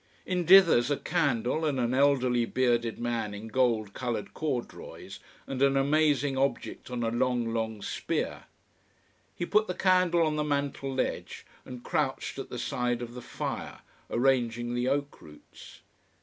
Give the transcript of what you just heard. In dithers a candle, and an elderly, bearded man in gold coloured corduroys, and an amazing object on a long, long spear. He put the candle on the mantel ledge, and crouched at the side of the fire, arranging the oak roots.